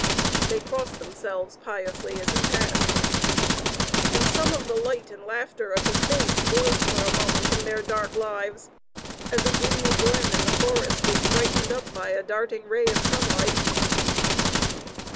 They crossed themselves piously as he passed. And some of the light and laughter of his face glowed 'for a moment in their dark lives, as a gloomy glen in the forest is brightened up by a darting ray of sunlight.